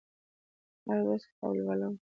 هره ورځ کتاب لولم